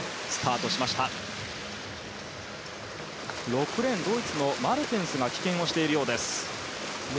６レーン、ドイツのマルテンスが棄権しているようです。